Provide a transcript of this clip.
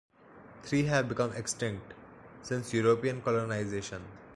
Three have become extinct since European colonisation.